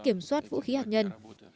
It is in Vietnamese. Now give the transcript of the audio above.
kiểm soát vũ khí hạt nhân